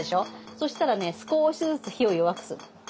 そしたらね少しずつ火を弱くする。